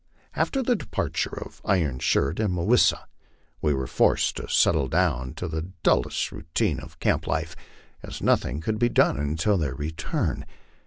After the departure of Iron Shirt and Mah wis sa, we were forced to settle down to the dullest routine of camp life, as nothing could be done until their return.